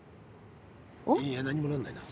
いや何もなんないな。